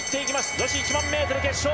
女子１００００ｍ決勝。